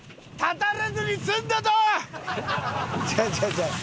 違う違う違う。